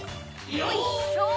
よいしょ！